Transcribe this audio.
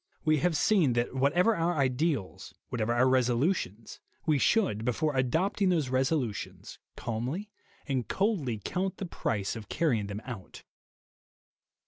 We have seen that whatever our ideals, whatever our resolutions, we should, before adopting those resolutions, calmly and coldly count the price of carrying them out.